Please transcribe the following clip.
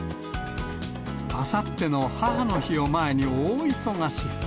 あさっての母の日を前に大忙し。